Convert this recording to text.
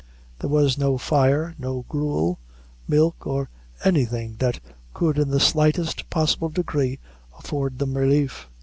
There was no fire no gruel, milk or anything that could in the slightest possible degree afford them relief.